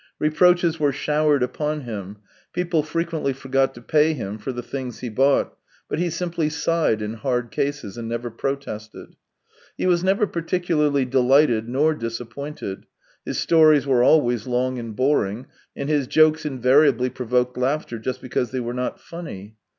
Reproaches were showered upon him, people frequently forgot to pay him for the things he bought, but he simply sighed in hard cases and never protested. He was never particularly delighted nor disappointed; his stories were always long and boring; and his jokes invariably provoked laughter just because they were not funny.